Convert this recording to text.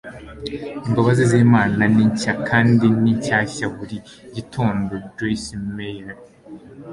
imbabazi z'imana ni nshya kandi ni shyashya buri gitondo. - joyce meyer